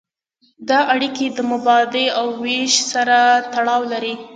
دا اړیکې د مبادلې او ویش سره تړاو لري.